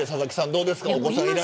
どうですか。